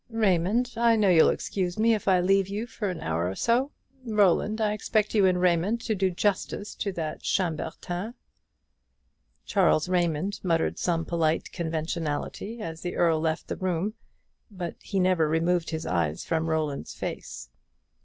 "Raymond, I know you'll excuse me if I leave you for an hour or so. Roland, I expect you and Raymond to do justice to that Chambertin." Charles Raymond murmured some polite conventionality as the Earl left the room; but he never removed his eyes from Roland's face.